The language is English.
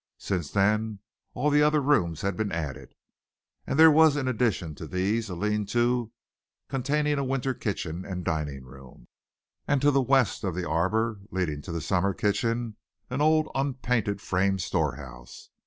Since then all the other rooms had been added, and there was in addition to these a lean to containing a winter kitchen and dining room, and to the west of the arbor leading to the summer kitchen, an old unpainted frame storehouse.